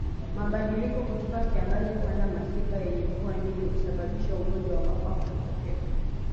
Mabadiliko kutoka kiangazi kwenda masika yenye mvua nyingi husababisha ugonjwa wa mapafu kutokea